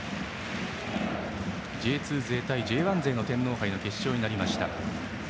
Ｊ２勢対Ｊ１勢の天皇杯の決勝になりました。